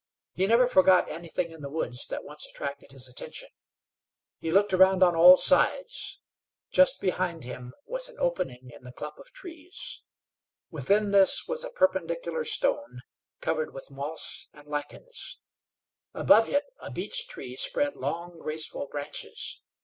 He never forgot anything in the woods that once attracted his attention. He looked around on all sides. Just behind him was an opening in the clump of trees. Within this was a perpendicular stone covered with moss and lichens; above it a beech tree spread long, graceful branches.